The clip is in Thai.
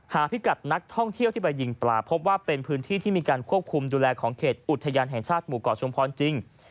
พิกัดนักท่องเที่ยวที่ไปยิงปลาพบว่าเป็นพื้นที่ที่มีการควบคุมดูแลของเขตอุทยานแห่งชาติหมู่เกาะชุมพรจริง